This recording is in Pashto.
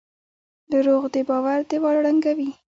دروغ د باور دیوال ړنګوي.